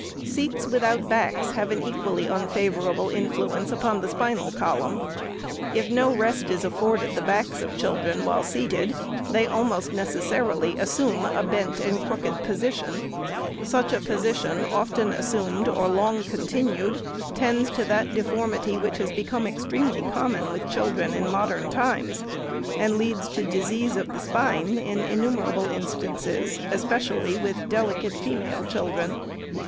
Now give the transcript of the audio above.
Seats without backs have an equally unfavorable influence upon the spinal column. If no rest is afforded the backs of children while seated, they almost necessarily assume a bent and crooked position ; such a posi tion often assumed, or long continued, tends to that deformity which has become extremely common with children in modern times, and leads to disease of the spine in innumerable instances, especially with deli cate female children.